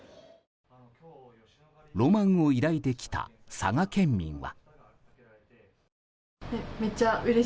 ロマンを抱いてきた佐賀県民は。